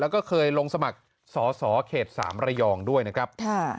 แล้วก็เคยลงสมัครสอสอเขต๓ระยองด้วยนะครับ